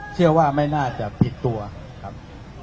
เชื่อว่าไม่น่าจะผิดตัวครับ